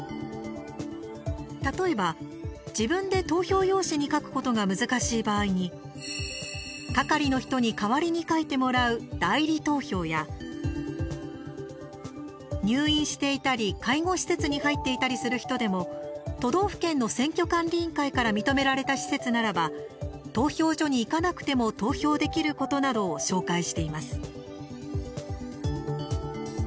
例えば、自分で投票用紙に書くことが難しい場合に係の人に代わりに書いてもらう代理投票や入院していたり、介護施設に入っていたりする人でも都道府県の選挙管理委員会から認められた施設ならば投票所に行かなくても投票できることなどを紹介しています。